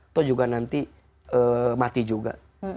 atau juga nanti mati juga